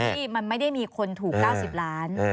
ที่มันไม่ได้มีคนถูก๙๐ล้าน